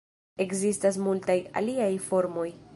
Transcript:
Ekzistas multaj aliaj formoj.